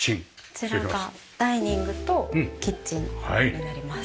こちらがダイニングとキッチンになります。